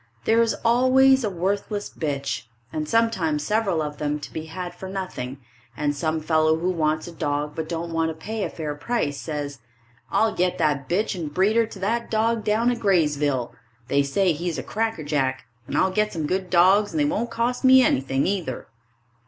There is always a worthless bitch, and sometimes several of them to be had for nothing, and some fellow who wants a dog but don't want to pay a fair price says, "I'll get that bitch and breed her to that dog down at Graysville. They say he's a crackerjack, and I'll get some good dogs and they won't cost me anything either."